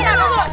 gagal apa tuh